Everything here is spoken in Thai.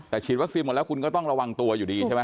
แต่ฉีดวัคซีนหมดแล้วคุณก็ต้องระวังตัวอยู่ดีใช่ไหม